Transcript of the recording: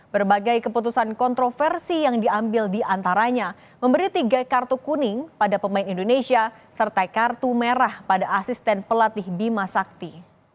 berbagai keputusan kontroversi yang diambil diantaranya memberi tiga kartu kuning pada pemain indonesia serta kartu merah pada asisten pelatih bima sakti